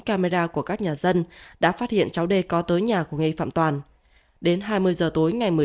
camera của các nhà dân đã phát hiện cháu đê có tới nhà của ngay phạm toàn đến hai mươi giờ tối ngày